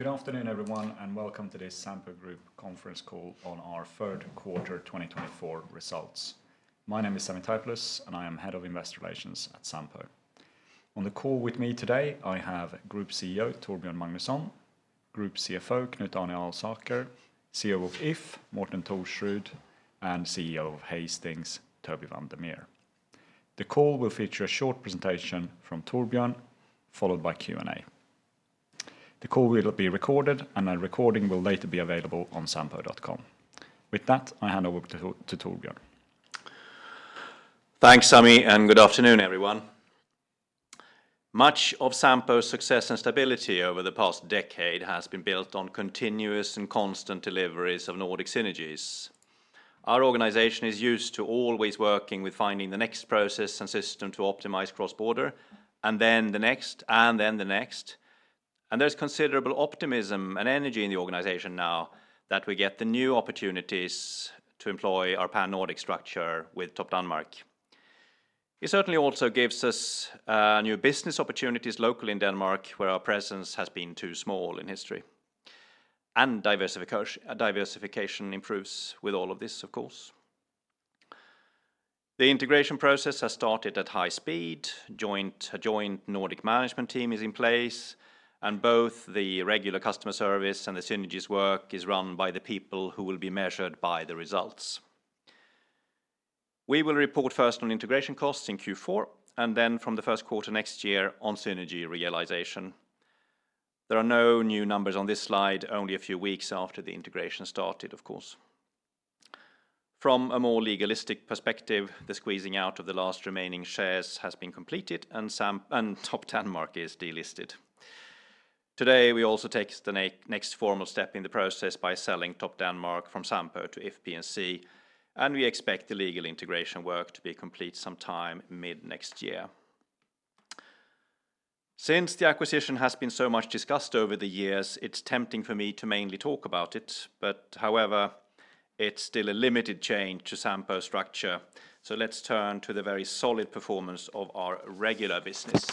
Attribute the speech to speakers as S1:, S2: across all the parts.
S1: Good afternoon, everyone, and welcome to this Sampo Group conference call on our third quarter 2024 results. My name is Sami Taipalus, and I am Head of Investor Relations at Sampo. On the call with me today, I have Group CEO Torbjörn Magnusson, Group CFO Knut Arne Alsaker, CEO of If, Morten Thorsrud, and CEO of Hastings, Tobias van der Meer. The call will feature a short presentation from Torbjörn, followed by Q&A. The call will be recorded, and a recording will later be available on sampo.com. With that, I hand over to Torbjörn.
S2: Thanks, Sami, and good afternoon, everyone. Much of Sampo's success and stability over the past decade has been built on continuous and constant deliveries of Nordic synergies. Our organization is used to always working with finding the next process and system to optimize cross-border, and then the next, and then the next. And there's considerable optimism and energy in the organization now that we get the new opportunities to employ our pan-Nordic structure with Topdanmark. It certainly also gives us new business opportunities locally in Denmark, where our presence has been too small in history. And diversification improves with all of this, of course. The integration process has started at high speed. A joint Nordic management team is in place, and both the regular customer service and the synergies work is run by the people who will be measured by the results. We will report first on integration costs in Q4, and then from the first quarter next year on synergy realization. There are no new numbers on this slide, only a few weeks after the integration started, of course. From a more legalistic perspective, the squeezing out of the last remaining shares has been completed, and Topdanmark is delisted. Today, we also take the next formal step in the process by selling Topdanmark from Sampo to If P&C, and we expect the legal integration work to be complete sometime mid-next year. Since the acquisition has been so much discussed over the years, it's tempting for me to mainly talk about it, but however, it's still a limited change to Sampo's structure. So let's turn to the very solid performance of our regular business.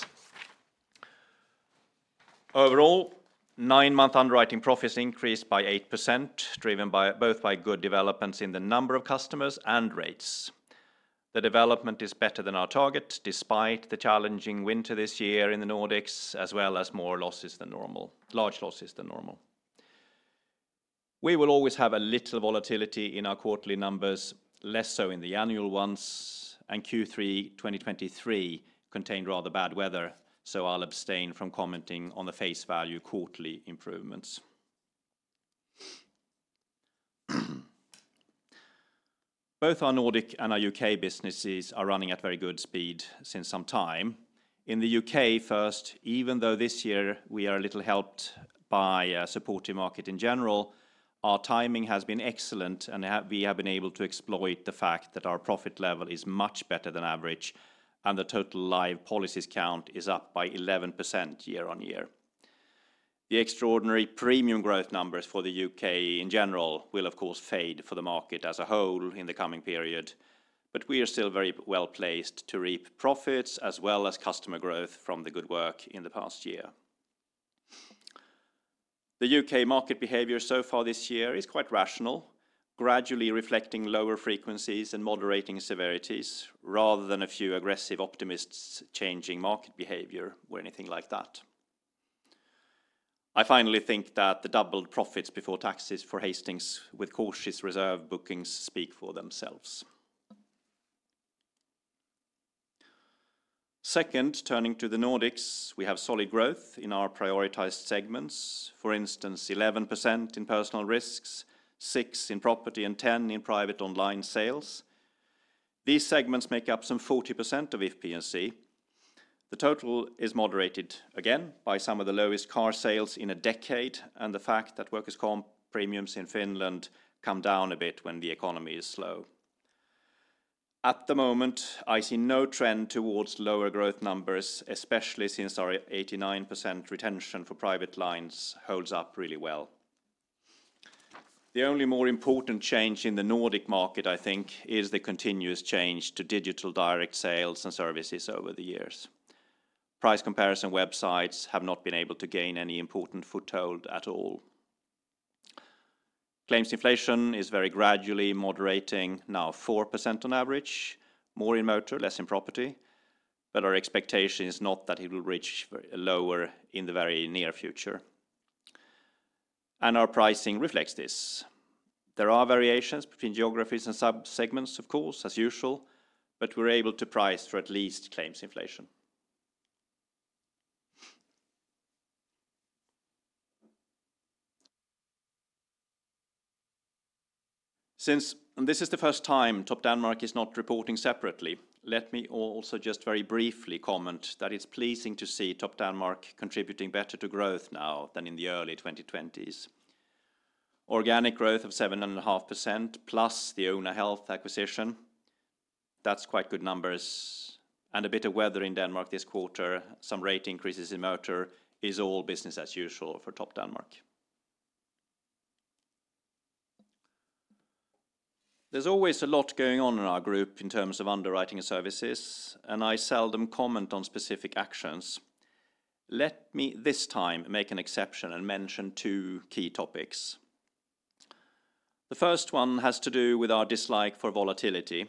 S2: Overall, nine-month underwriting profits increased by 8%, driven both by good developments in the number of customers and rates. The development is better than our target, despite the challenging winter this year in the Nordics, as well as more losses than normal, large losses than normal. We will always have a little volatility in our quarterly numbers, less so in the annual ones, and Q3 2023 contained rather bad weather, so I'll abstain from commenting on the face value quarterly improvements. Both our Nordic and our UK businesses are running at very good speed since some time. In the UK, first, even though this year we are a little helped by a supporting market in general, our timing has been excellent, and we have been able to exploit the fact that our profit level is much better than average, and the total live policies count is up by 11% year on year. The extraordinary premium growth numbers for the UK in general will, of course, fade for the market as a whole in the coming period, but we are still very well placed to reap profits as well as customer growth from the good work in the past year. The UK market behavior so far this year is quite rational, gradually reflecting lower frequencies and moderating severities, rather than a few aggressive optimists changing market behavior or anything like that. I finally think that the doubled profits before taxes for Hastings with cautious reserve bookings speak for themselves. Second, turning to the Nordics, we have solid growth in our prioritized segments, for instance, 11% in personal risks, 6% in property, and 10% in private online sales. These segments make up some 40% of If P&C. The total is moderated again by some of the lowest car sales in a decade and the fact that workers' comp premiums in Finland come down a bit when the economy is slow. At the moment, I see no trend towards lower growth numbers, especially since our 89% retention for private lines holds up really well. The only more important change in the Nordic market, I think, is the continuous change to digital direct sales and services over the years. Price comparison websites have not been able to gain any important foothold at all. Claims inflation is very gradually moderating, now 4% on average, more in motor, less in property, but our expectation is not that it will reach lower in the very near future, and our pricing reflects this. There are variations between geographies and sub-segments, of course, as usual, but we're able to price for at least claims inflation. Since this is the first time Topdanmark is not reporting separately, let me also just very briefly comment that it's pleasing to see Topdanmark contributing better to growth now than in the early 2020s. Organic growth of 7.5% plus the Oona Health acquisition, that's quite good numbers, and a bit of weather in Denmark this quarter, some rate increases in motor, is all business as usual for Topdanmark. There's always a lot going on in our group in terms of underwriting and services, and I seldom comment on specific actions. Let me this time make an exception and mention two key topics. The first one has to do with our dislike for volatility.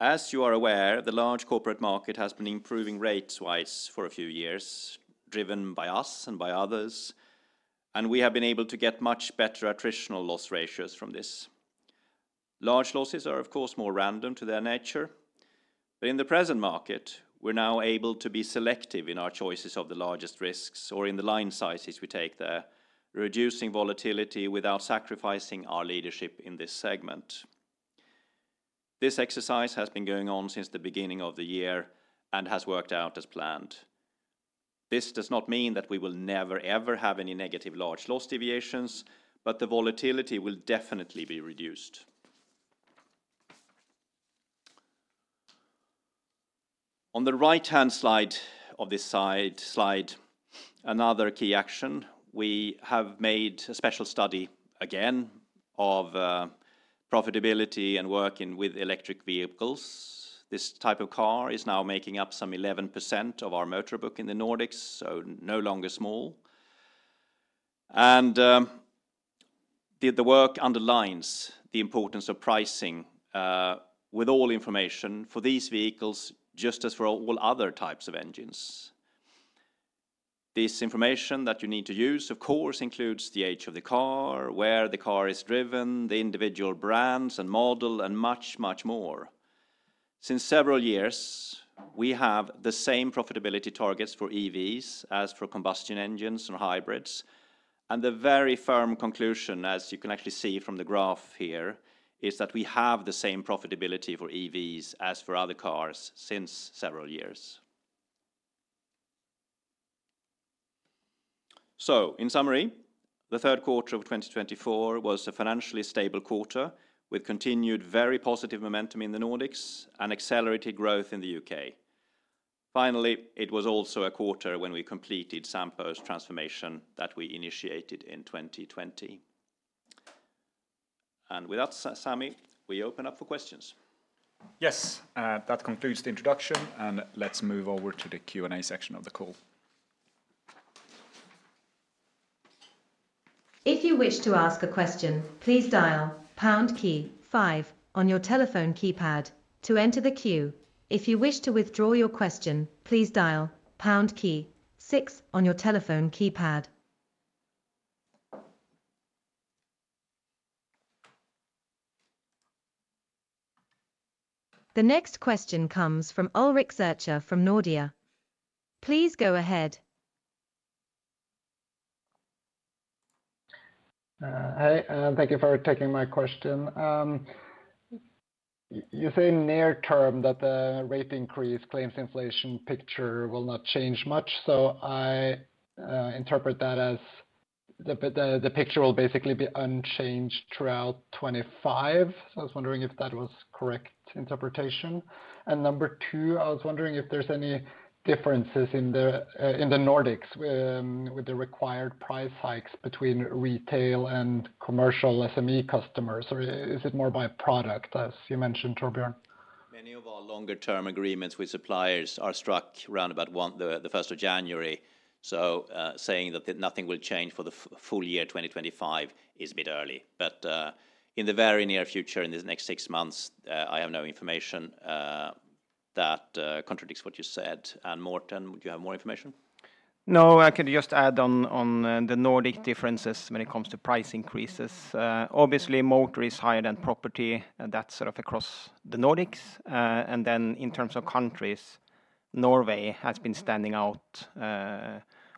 S2: As you are aware, the large corporate market has been improving rate-wise for a few years, driven by us and by others, and we have been able to get much better attritional loss ratios from this. Large losses are, of course, more random to their nature, but in the present market, we're now able to be selective in our choices of the largest risks or in the line sizes we take there, reducing volatility without sacrificing our leadership in this segment. This exercise has been going on since the beginning of the year and has worked out as planned. This does not mean that we will never ever have any negative large loss deviations, but the volatility will definitely be reduced. On the right-hand side of this slide, another key action, we have made a special study again of profitability and working with electric vehicles. This type of car is now making up some 11% of our motor book in the Nordics, so no longer small, and the work underlines the importance of pricing with all information for these vehicles, just as for all other types of engines. This information that you need to use, of course, includes the age of the car, where the car is driven, the individual brands and model, and much, much more. Since several years, we have the same profitability targets for EVs as for combustion engines and hybrids, and the very firm conclusion, as you can actually see from the graph here, is that we have the same profitability for EVs as for other cars since several years. So, in summary, the third quarter of 2024 was a financially stable quarter with continued very positive momentum in the Nordics and accelerated growth in the U.K. Finally, it was also a quarter when we completed Sampo's transformation that we initiated in 2020. And with that, Sami, we open up for questions. Yes, that concludes the introduction, and let's move over to the Q&A section of the call.
S3: If you wish to ask a question, please dial pound key five on your telephone keypad to enter the queue. If you wish to withdraw your question, please dial pound key six on your telephone keypad. The next question comes from Ulrik Zurcher from Nordea. Please go ahead.
S4: Hi, and thank you for taking my question. You say near term that the rate increase claims inflation picture will not change much, so I interpret that as the picture will basically be unchanged throughout 2025. So I was wondering if that was a correct interpretation. Number two, I was wondering if there's any differences in the Nordics with the required price hikes between retail and commercial SME customers, or is it more by product, as you mentioned, Torbjörn?
S2: Many of our longer-term agreements with suppliers are struck around about the 1st of January, so saying that nothing will change for the full year 2025 is a bit early. But in the very near future, in the next six months, I have no information that contradicts what you said. And Morten, would you have more information?
S5: No, I can just add on the Nordic differences when it comes to price increases. Obviously, motor is higher than property, and that's sort of across the Nordics. And then in terms of countries, Norway has been standing out,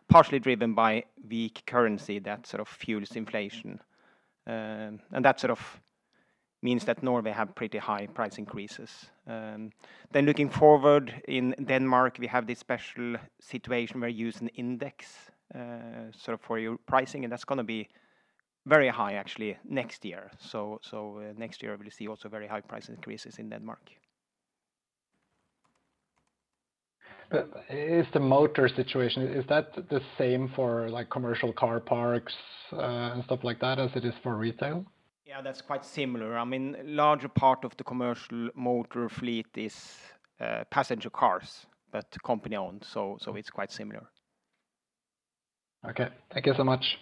S5: partially driven by weak currency that sort of fuels inflation. And that sort of means that Norway has pretty high price increases. Then looking forward in Denmark, we have this special situation where you use an index sort of for your pricing, and that's going to be very high, actually, next year. So next year, we'll see also very high price increases in Denmark.
S4: But is the motor situation, is that the same for commercial car parks and stuff like that as it is for retail?
S5: Yeah, that's quite similar. I mean, a larger part of the commercial motor fleet is passenger cars that the company owns, so it's quite similar.
S4: Okay, thank you so much.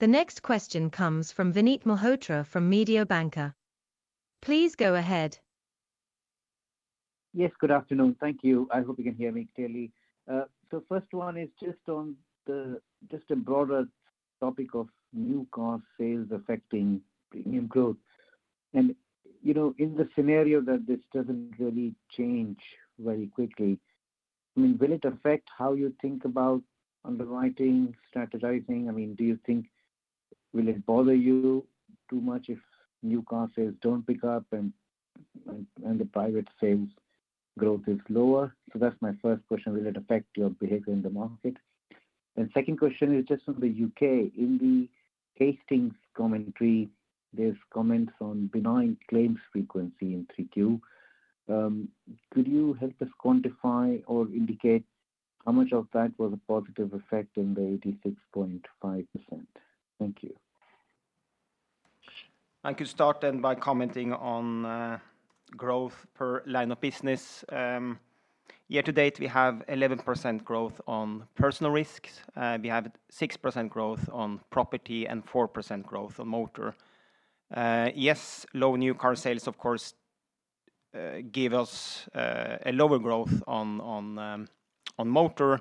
S3: The next question comes from Vinit Malhotra from Mediobanca. Please go ahead.
S6: Yes, good afternoon. Thank you. I hope you can hear me clearly. So the first one is just on a broader topic of new car sales affecting premium growth. And in the scenario that this doesn't really change very quickly, I mean, will it affect how you think about underwriting, strategizing? I mean, do you think will it bother you too much if new car sales don't pick up and the private sales growth is lower? So that's my first question. Will it affect your behavior in the market? And the second question is just from the U.K. In the Hastings commentary, there's comments on benign claims frequency in 3Q. Could you help us quantify or indicate how much of that was a positive effect in the 86.5%? Thank you.
S5: I could start then by commenting on growth per line of business. Year to date, we have 11% growth on personal risks. We have 6% growth on property and 4% growth on motor. Yes, low new car sales, of course, give us a lower growth on motor,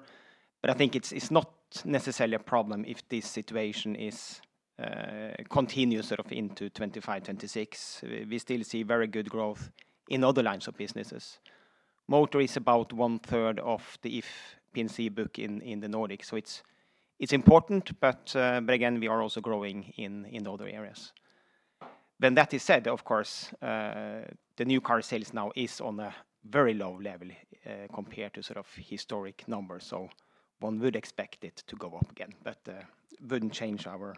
S5: but I think it's not necessarily a problem if this situation is continued sort of into 2025, 2026. We still see very good growth in other lines of businesses. Motor is about one-third of the If P&C book in the Nordics, so it's important, but again, we are also growing in other areas. When that is said, of course, the new car sales now is on a very low level compared to sort of historic numbers, so one would expect it to go up again, but it wouldn't change our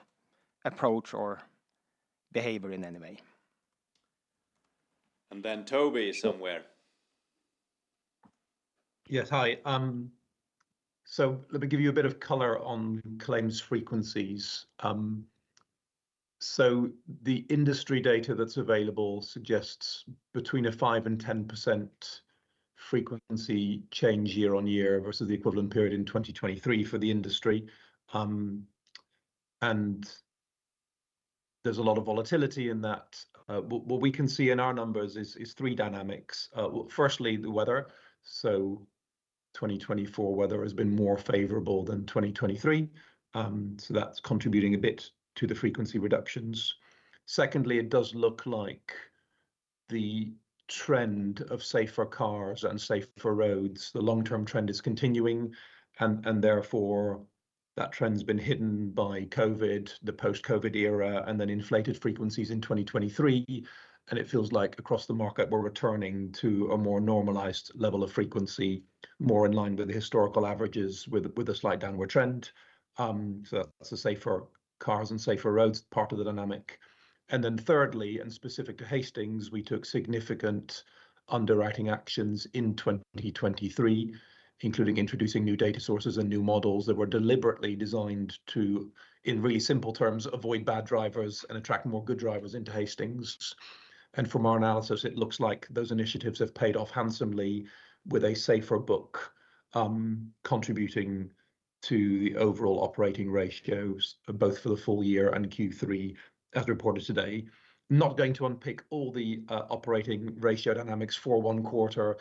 S5: approach or behavior in any way.
S2: And then Tobias somewhere.
S7: Yes, hi, so let me give you a bit of color on claims frequencies, so the industry data that's available suggests between a 5% and 10% frequency change year on year versus the equivalent period in 2023 for the industry, and there's a lot of volatility in that. What we can see in our numbers is three dynamics. Firstly, the weather, so 2024 weather has been more favorable than 2023, so that's contributing a bit to the frequency reductions. Secondly, it does look like the trend of safer cars and safer roads, the long-term trend is continuing, and therefore that trend's been hidden by COVID, the post-COVID era, and then inflated frequencies in 2023, and it feels like across the market, we're returning to a more normalized level of frequency, more in line with the historical averages with a slight downward trend. So that's the safer cars and safer roads part of the dynamic. And then thirdly, and specific to Hastings, we took significant underwriting actions in 2023, including introducing new data sources and new models that were deliberately designed to, in really simple terms, avoid bad drivers and attract more good drivers into Hastings. And from our analysis, it looks like those initiatives have paid off handsomely with a safer book contributing to the overall operating ratios, both for the full year and Q3, as reported today. Not going to unpick all the operating ratio dynamics for one quarter,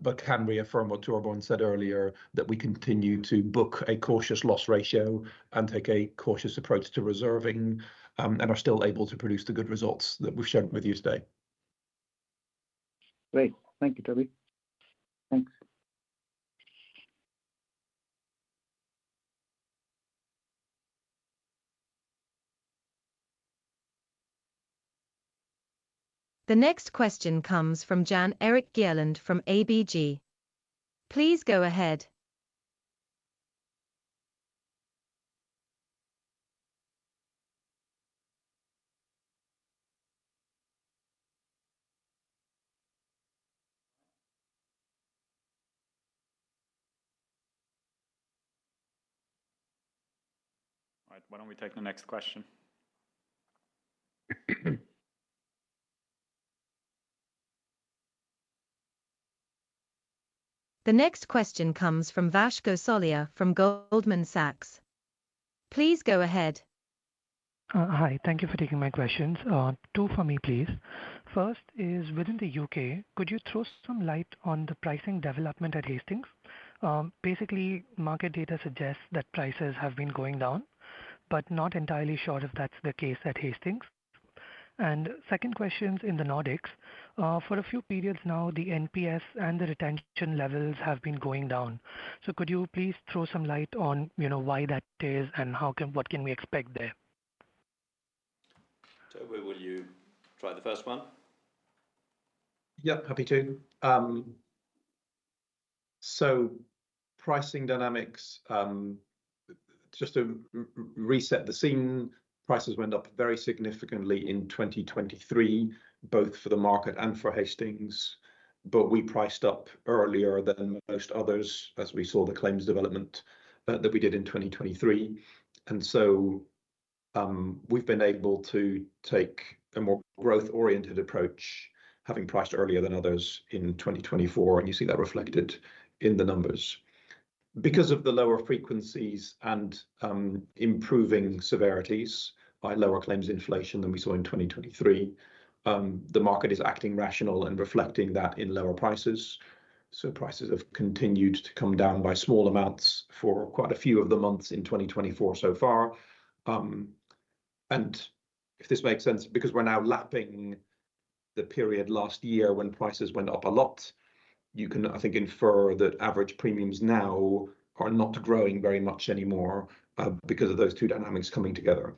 S7: but can reaffirm what Torbjörn said earlier, that we continue to book a cautious loss ratio and take a cautious approach to reserving and are still able to produce the good results that we've shared with you today.
S6: Great. Thank you, Toby.
S7: Thanks.
S3: The next question comes from Jan Erik Gjerland from ABG. Please go ahead.
S2: All right, why don't we take the next question?
S3: The next question comes from Vash Gosalia from Goldman Sachs. Please go ahead.
S8: Hi, thank you for taking my questions. Two for me, please. First is, within the U.K., could you throw some light on the pricing development at Hastings? Basically, market data suggests that prices have been going down, but not entirely sure if that's the case at Hastings. And second question's in the Nordics. For a few periods now, the NPS and the retention levels have been going down. So could you please throw some light on why that is and what can we expect there?
S2: Toby, will you try the first one?
S7: Yep, happy to. So pricing dynamics, just to reset the scene, prices went up very significantly in 2023, both for the market and for Hastings, but we priced up earlier than most others as we saw the claims development that we did in 2023. And so we've been able to take a more growth-oriented approach, having priced earlier than others in 2024, and you see that reflected in the numbers. Because of the lower frequencies and improving severities by lower claims inflation than we saw in 2023, the market is acting rational and reflecting that in lower prices. So prices have continued to come down by small amounts for quite a few of the months in 2024 so far. If this makes sense, because we're now lapping the period last year when prices went up a lot, you can, I think, infer that average premiums now are not growing very much anymore because of those two dynamics coming together.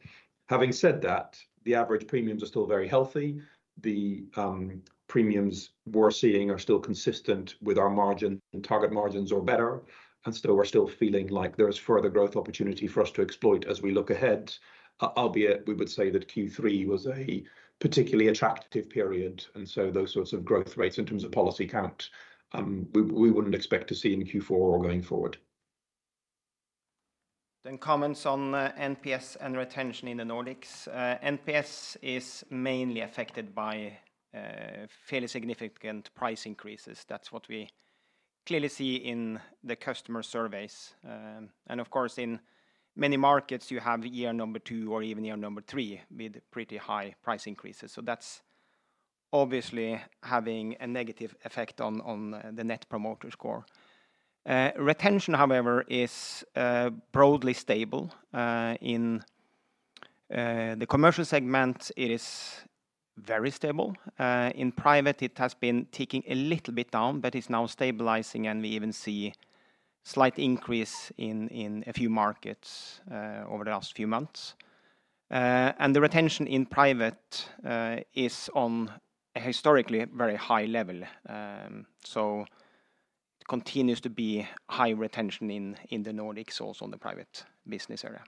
S7: Having said that, the average premiums are still very healthy. The premiums we're seeing are still consistent with our margin and target margins or better, and so we're still feeling like there's further growth opportunity for us to exploit as we look ahead, albeit we would say that Q3 was a particularly attractive period, and so those sorts of growth rates in terms of policy count, we wouldn't expect to see in Q4 or going forward.
S5: Then comments on NPS and retention in the Nordics. NPS is mainly affected by fairly significant price increases. That's what we clearly see in the customer surveys. And of course, in many markets, you have year number two or even year number three with pretty high price increases. So that's obviously having a negative effect on the net promoter score. Retention, however, is broadly stable. In the commercial segment, it is very stable. In private, it has been ticking a little bit down, but it's now stabilizing, and we even see a slight increase in a few markets over the last few months. And the retention in private is on a historically very high level. So it continues to be high retention in the Nordics, also in the private business area.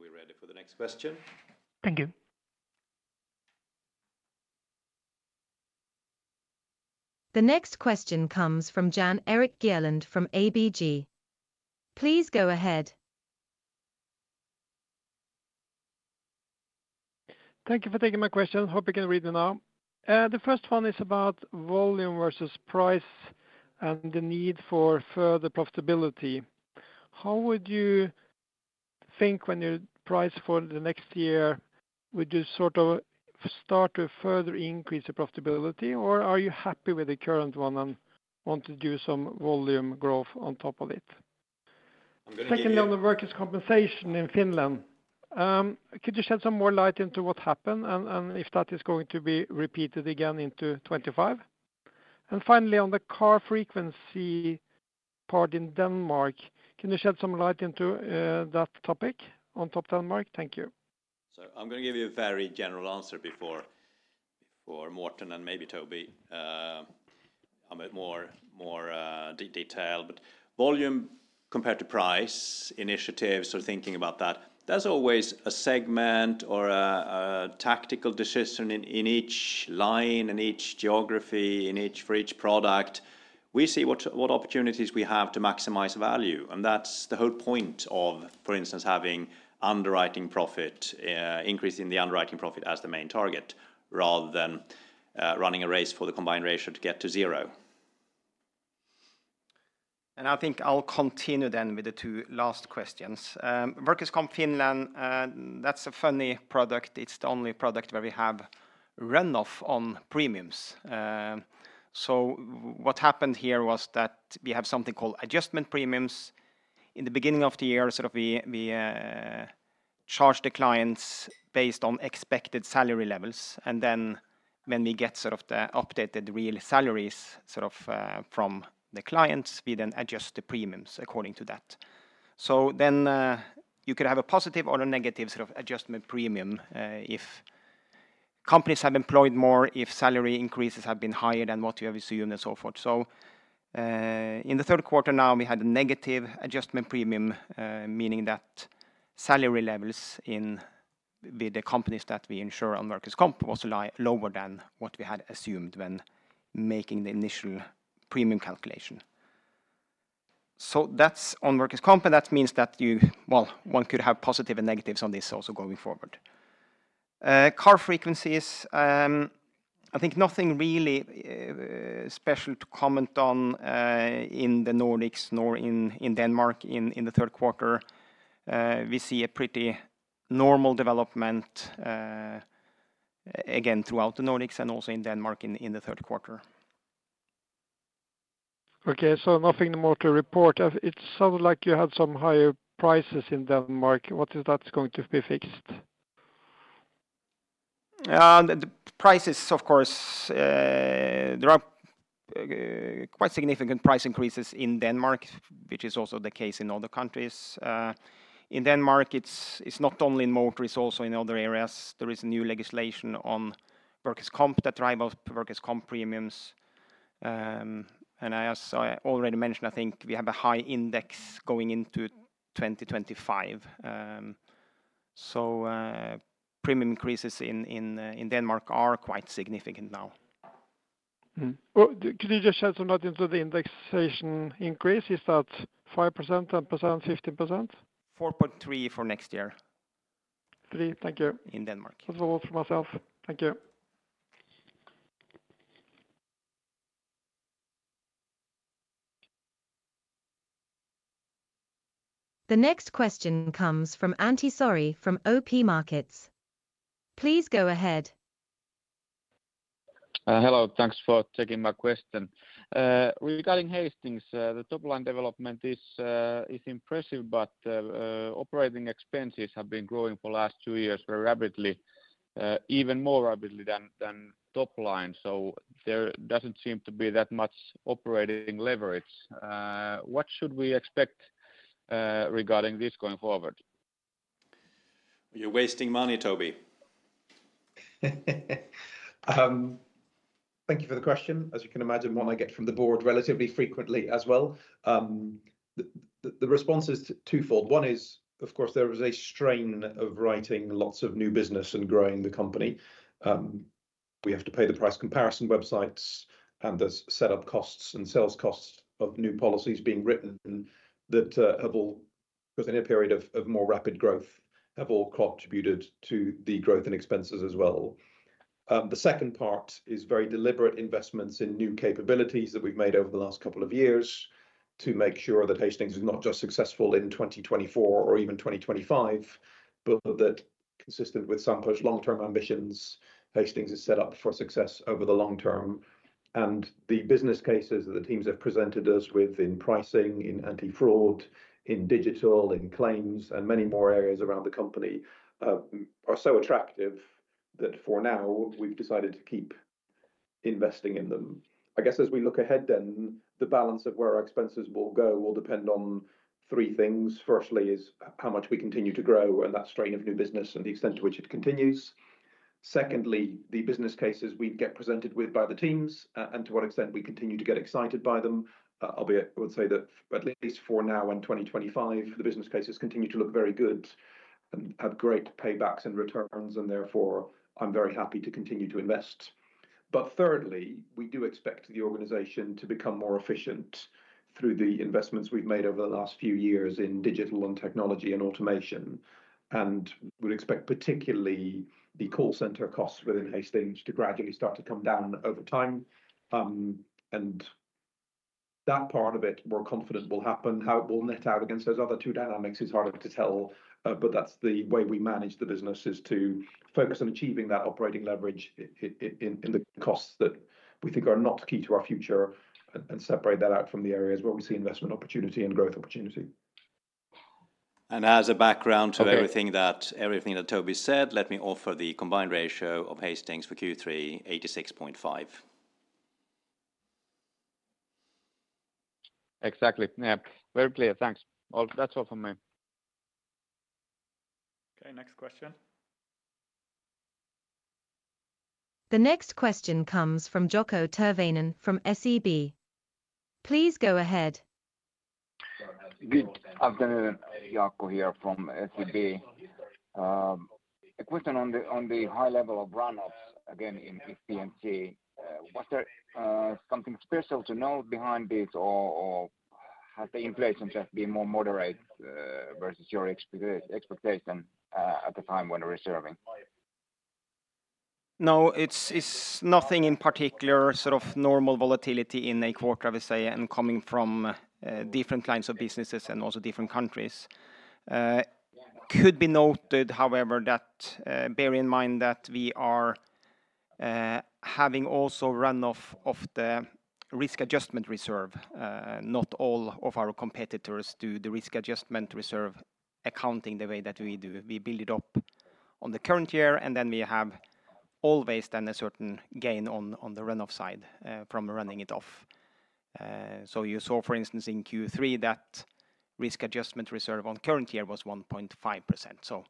S2: We're ready for the next question.
S8: Thank you.
S3: The next question comes from Jan Erik Gjerland from ABG. Please go ahead.
S9: Thank you for taking my question. Hope you can read it now. The first one is about volume versus price and the need for further profitability. How would you think when you price for the next year, would you sort of start to further increase your profitability, or are you happy with the current one and want to do some volume growth on top of it? Secondly, on the workers' compensation in Finland, could you shed some more light into what happened and if that is going to be repeated again into 2025? And finally, on the car frequency part in Denmark, can you shed some light into that topic on top of Denmark? Thank you.
S2: So I'm going to give you a very general answer before Morten and maybe Toby. I'm a bit more detailed, but volume compared to price initiatives, sort of thinking about that, there's always a segment or a tactical decision in each line, in each geography, for each product. We see what opportunities we have to maximize value, and that's the whole point of, for instance, having underwriting profit, increasing the underwriting profit as the main target rather than running a race for the combined ratio to get to zero.
S5: I think I'll continue then with the two last questions. Workers' Comp Finland, that's a funny product. It's the only product where we have runoff on premiums. So what happened here was that we have something called adjustment premiums. In the beginning of the year, sort of we charge the clients based on expected salary levels, and then when we get sort of the updated real salaries sort of from the clients, we then adjust the premiums according to that. So then you could have a positive or a negative sort of adjustment premium if companies have employed more, if salary increases have been higher than what you have assumed, and so forth. In the third quarter now, we had a negative adjustment premium, meaning that salary levels with the companies that we insure on Workers' Comp were also lower than what we had assumed when making the initial premium calculation. That's on Workers' Comp, and that means that you, well, one could have positive and negatives on this also going forward. Car frequencies, I think nothing really special to comment on in the Nordics nor in Denmark in the third quarter. We see a pretty normal development again throughout the Nordics and also in Denmark in the third quarter.
S9: Okay, so nothing more to report. It sounded like you had some higher prices in Denmark. What is that going to be fixed?
S5: Yeah, the prices, of course, there are quite significant price increases in Denmark, which is also the case in other countries. In Denmark, it's not only in motors, also in other areas. There is new legislation on Workers' Comp that drives up Workers' Comp premiums, and as I already mentioned, I think we have a high index going into 2025, so premium increases in Denmark are quite significant now.
S9: Could you just share some numbers on the indexation increase? Is that 5%, 10%, 15%?
S5: 4.3 for next year.
S9: Thank you.
S5: In Denmark.
S9: That's all for myself. Thank you.
S3: The next question comes from Antti Saari from OP Markets. Please go ahead.
S10: Hello, thanks for taking my question. Regarding Hastings, the top line development is impressive, but operating expenses have been growing for the last two years very rapidly, even more rapidly than top line. So there doesn't seem to be that much operating leverage. What should we expect regarding this going forward?
S2: You're wasting money, Toby.
S7: Thank you for the question. As you can imagine, one I get from the board relatively frequently as well. The response is twofold. One is, of course, there is a strain of writing lots of new business and growing the company. We have to pay the price comparison websites, and there's setup costs and sales costs of new policies being written that have all, within a period of more rapid growth, contributed to the growth and expenses as well. The second part is very deliberate investments in new capabilities that we've made over the last couple of years to make sure that Hastings is not just successful in 2024 or even 2025, but that consistent with some long-term ambitions, Hastings is set up for success over the long term. And the business cases that the teams have presented us with in pricing, in anti-fraud, in digital, in claims, and many more areas around the company are so attractive that for now, we've decided to keep investing in them. I guess as we look ahead then, the balance of where our expenses will go will depend on three things. Firstly is how much we continue to grow and that strain of new business and the extent to which it continues. Secondly, the business cases we get presented with by the teams and to what extent we continue to get excited by them, albeit I would say that at least for now and 2025, the business cases continue to look very good and have great paybacks and returns, and therefore I'm very happy to continue to invest. Thirdly, we do expect the organization to become more efficient through the investments we've made over the last few years in digital and technology and automation, and we would expect particularly the call center costs within Hastings to gradually start to come down over time. That part of it, we're confident will happen. How it will net out against those other two dynamics is harder to tell, but that's the way we manage the business is to focus on achieving that operating leverage in the costs that we think are not key to our future and separate that out from the areas where we see investment opportunity and growth opportunity.
S2: As a background to everything that Toby said, let me offer the combined ratio of Hastings for Q3, 86.5%.
S10: Exactly. Yeah, very clear. Thanks. That's all from me.
S2: Okay, next question.
S3: The next question comes from Jokke Tervonen from SEB. Please go ahead.
S11: I've got a question here from SEB. A question on the high level of runoffs again in P&C. Was there something special to know behind this, or has the inflation just been more moderate versus your expectation at the time when we were reserving?
S5: No, it's nothing in particular, sort of normal volatility in a quarter, I would say, and coming from different kinds of businesses and also different countries. It could be noted, however, that bear in mind that we are having also runoff of the Risk Adjustment Reserve. Not all of our competitors do the Risk Adjustment Reserve accounting the way that we do. We build it up on the current year, and then we have always then a certain gain on the runoff side from running it off. So you saw, for instance, in Q3 that Risk Adjustment Reserve on current year was 1.5%. So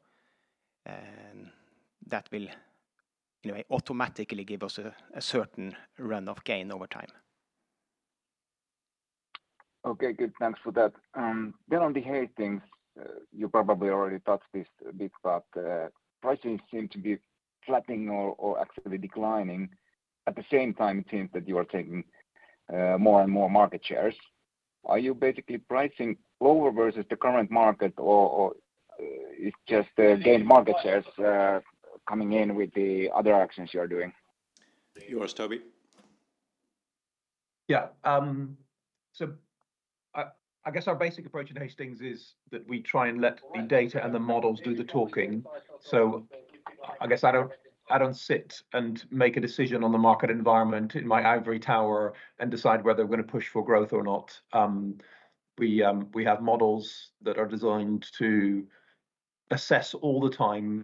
S5: that will automatically give us a certain runoff gain over time.
S11: Okay, good. Thanks for that. Then on the Hastings, you probably already touched this a bit, but pricing seemed to be flattening or actually declining. At the same time, it seems that you are taking more and more market shares. Are you basically pricing lower versus the current market, or is it just gained market shares coming in with the other actions you are doing?
S2: Yours Toby.
S7: Yeah, so I guess our basic approach in Hastings is that we try and let the data and the models do the talking, so I guess I don't sit and make a decision on the market environment in my ivory tower and decide whether we're going to push for growth or not. We have models that are designed to assess all the time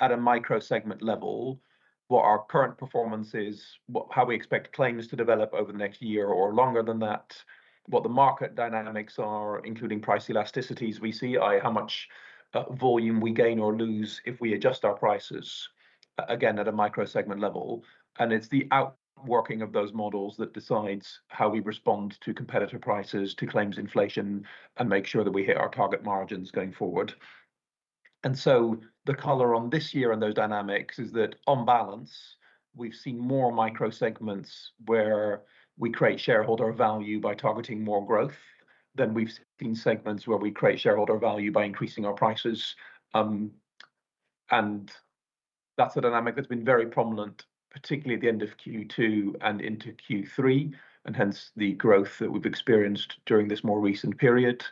S7: at a micro-segment level what our current performance is, how we expect claims to develop over the next year or longer than that, what the market dynamics are, including price elasticities we see, how much volume we gain or lose if we adjust our prices again at a micro-segment level, and it's the outworking of those models that decides how we respond to competitor prices, to claims inflation, and make sure that we hit our target margins going forward. And so the color on this year and those dynamics is that on balance, we've seen more micro-segments where we create shareholder value by targeting more growth than we've seen segments where we create shareholder value by increasing our prices. And that's a dynamic that's been very prominent, particularly at the end of Q2 and into Q3, and hence the growth that we've experienced during this more recent period.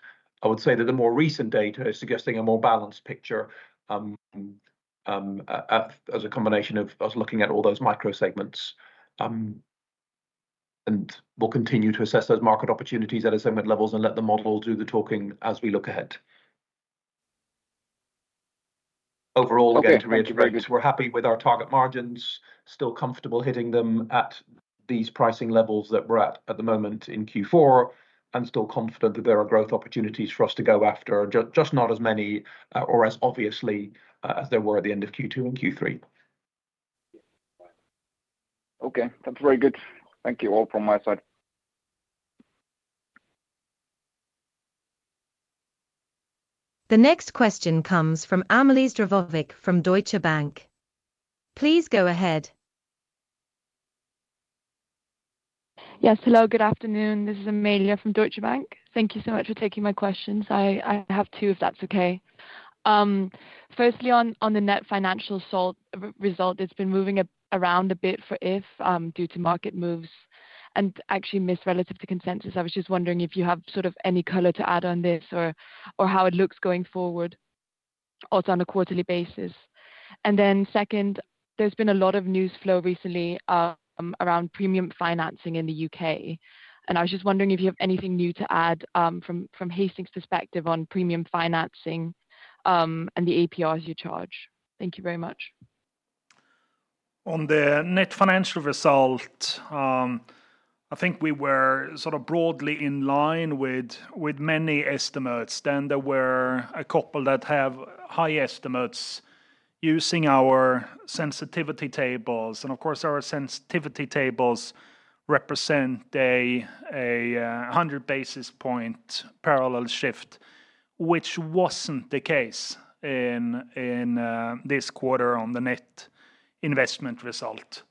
S7: I would say that the more recent data is suggesting a more balanced picture as a combination of us looking at all those micro-segments. And we'll continue to assess those market opportunities at a segment levels and let the models do the talking as we look ahead. Overall, again, to reiterate, we're happy with our target margins, still comfortable hitting them at these pricing levels that we're at at the moment in Q4, and still confident that there are growth opportunities for us to go after, just not as many or as obviously as there were at the end of Q2 and Q3.
S11: Okay, that's very good. Thank you all from my side.
S3: The next question comes from Amalie Zdravkovic from Deutsche Bank. Please go ahead.
S12: Yes, hello, good afternoon. This is Amalie from Deutsche Bank. Thank you so much for taking my questions. I have two if that's okay. Firstly, on the net financial result, it's been moving around a bit for If due to market moves and actually missed relative to consensus. I was just wondering if you have sort of any color to add on this or how it looks going forward also on a quarterly basis, and then second, there's been a lot of news flow recently around premium financing in the U.K. And I was just wondering if you have anything new to add from Hastings' perspective on premium financing and the APRs you charge. Thank you very much.
S5: On the net financial result, I think we were sort of broadly in line with many estimates. Then there were a couple that have high estimates using our sensitivity tables. And of course, our sensitivity tables represent a 100 basis point parallel shift, which wasn't the case in this quarter on the net investment result.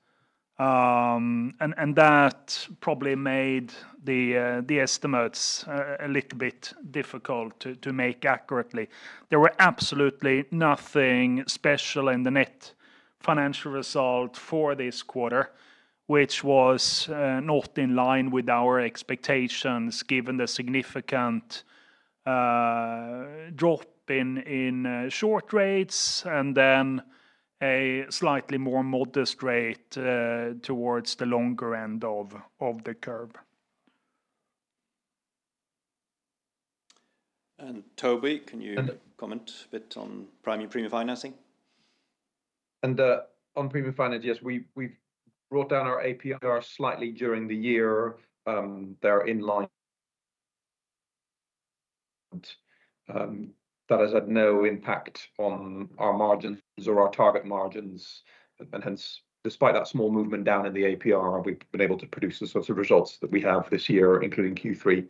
S5: And that probably made the estimates a little bit difficult to make accurately. There were absolutely nothing special in the net financial result for this quarter, which was not in line with our expectations given the significant drop in short rates and then a slightly more modest rate towards the longer end of the curve.
S2: Toby, can you comment a bit on pricing premium financing?
S7: On premium financing, yes, we've brought down our APR slightly during the year. They're in line. That has had no impact on our margins or our target margins. And hence, despite that small movement down in the APR, we've been able to produce the sorts of results that we have this year, including Q3.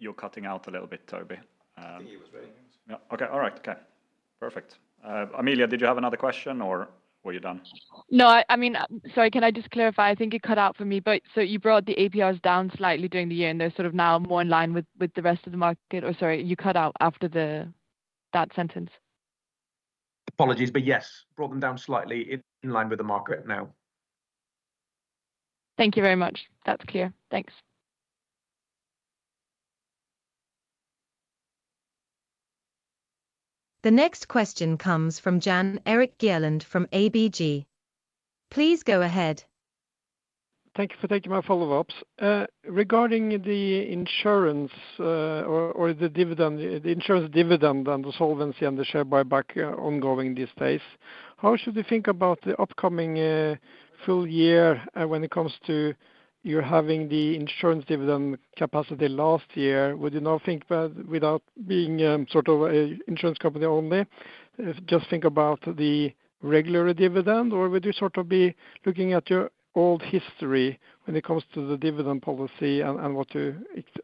S2: You're cutting out a little bit, Toby.
S7: Yeah, okay, all right. Okay, perfect. Amelie, did you have another question or were you done?
S12: No, I mean, sorry, can I just clarify? I think it cut out for me, but so you brought the APRs down slightly during the year and they're sort of now more in line with the rest of the market, or, sorry, you cut out after that sentence.
S7: Apologies, but yes, brought them down slightly in line with the market now.
S12: Thank you very much. That's clear. Thanks.
S3: The next question comes from Jan Erik Gjerland from ABG. Please go ahead.
S9: Thank you for taking my follow-ups. Regarding the insurance or the insurance dividend and the solvency and the share buyback ongoing these days, how should you think about the upcoming full year when it comes to you having the insurance dividend capacity last year? Would you now think without being sort of an insurance company only, just think about the regular dividend, or would you sort of be looking at your old history when it comes to the dividend policy and what you're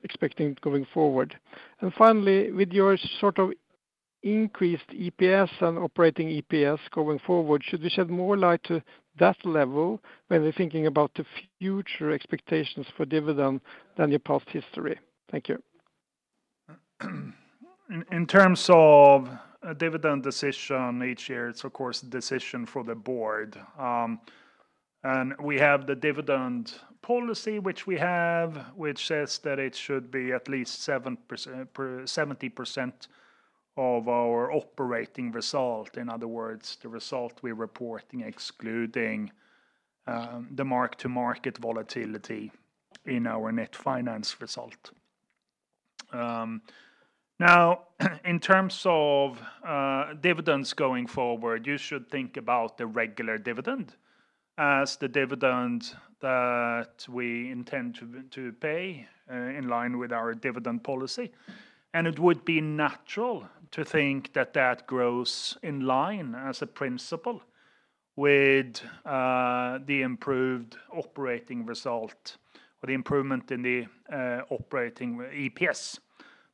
S9: expecting going forward? And finally, with your sort of increased EPS and operating EPS going forward, should we shed more light to that level when we're thinking about the future expectations for dividend than your past history? Thank you.
S5: In terms of dividend decision each year, it's of course a decision for the board, and we have the dividend policy, which we have, which says that it should be at least 70% of our operating result, in other words, the result we're reporting, excluding the mark-to-market volatility in our net finance result. Now, in terms of dividends going forward, you should think about the regular dividend as the dividend that we intend to pay in line with our dividend policy, and it would be natural to think that that grows in line as a principle with the improved operating result or the improvement in the operating EPS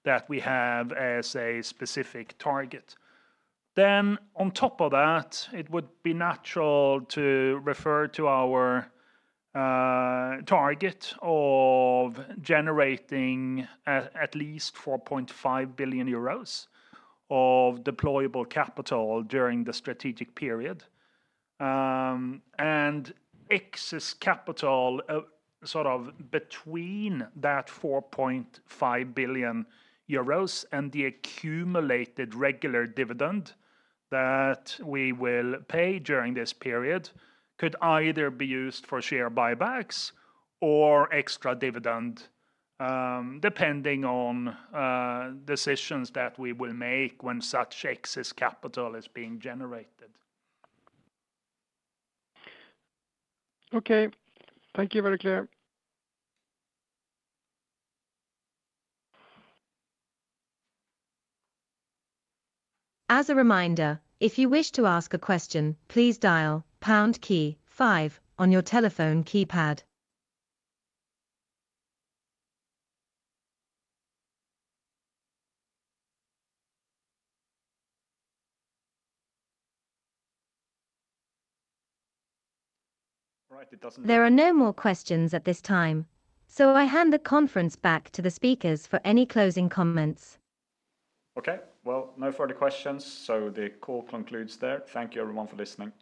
S5: that we have as a specific target, then on top of that, it would be natural to refer to our target of generating at least 4.5 billion euros of deployable capital during the strategic period. Excess capital sort of between that 4.5 billion euros and the accumulated regular dividend that we will pay during this period could either be used for share buybacks or extra dividend, depending on decisions that we will make when such excess capital is being generated.
S9: Okay, thank you. Very clear.
S3: As a reminder, if you wish to ask a question, please dial pound key five on your telephone keypad. There are no more questions at this time, so I hand the conference back to the speakers for any closing comments.
S2: Okay, well, no further questions. So the call concludes there. Thank you everyone for listening.